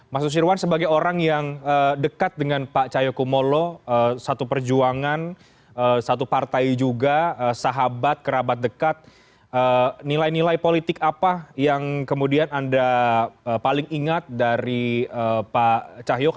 mas nusirwan sebagai orang yang dekat dengan pak cahyokumolo satu perjuangan satu partai juga sahabat kerabat dekat nilai nilai politik apa yang kemudian anda paling ingat dari pak cahyokumo